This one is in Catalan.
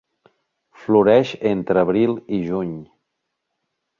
Floreix entre abril i juny.